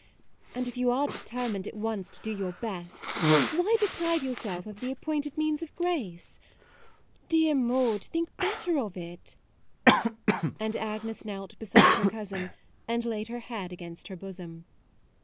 and if you are determined at once to do your best, why deprive yourself of the appointed means of grace ? Dear Maude, think better of it "; and Agnes knelt be side her cousin, and laid her head against her bosom.